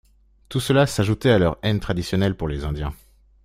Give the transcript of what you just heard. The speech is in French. Tout cela s'ajoutait à leur haine traditionnelle pour les Indiens.